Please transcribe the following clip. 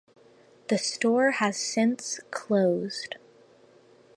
The store has since closed.